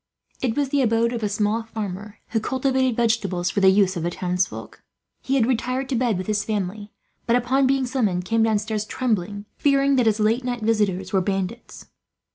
It was the abode of a small farmer, who cultivated vegetables for the use of the townsfolk. He had retired to bed with his family, but upon being summoned came downstairs trembling, fearing that his late visitors were bandits.